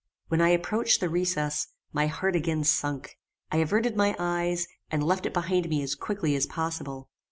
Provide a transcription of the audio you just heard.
When I approached the recess, my heart again sunk. I averted my eyes, and left it behind me as quickly as possible.